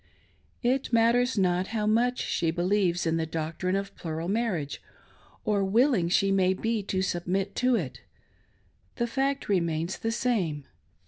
It matters not how much she believes in the doctrine of plural marriage, or how willing she may be to submit to it ; the fact remains the same.